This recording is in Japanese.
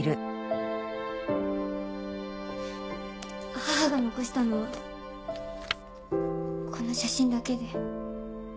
母が残したのはこの写真だけで。